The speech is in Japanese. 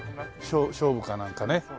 菖蒲かなんかね。